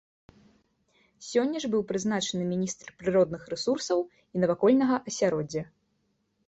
Сёння ж быў прызначаны міністр прыродных рэсурсаў і навакольнага асяроддзя.